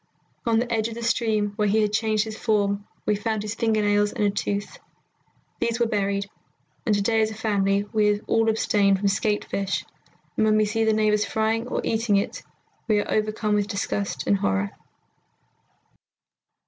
"On the edge of the stream where he had changed his form we found his finger nails and a tooth. These we buried, and to day as a family we all abstain from skate fish, and when we see the neighbours frying or eating it we are overcome with disgust and horror."